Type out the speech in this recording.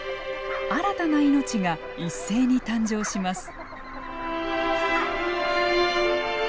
新たな命が一斉に誕生します。